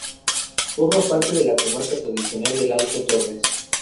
Forma parte de la comarca tradicional del Alto Tormes.